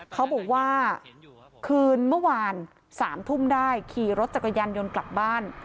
เขาบอกว่าคืนเมื่อวาน๓ทุ่มได้ขี่รถจักรยานยนต์กลับบ้าน